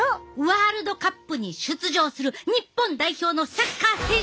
ワールドカップに出場する日本代表のサッカー選手たち！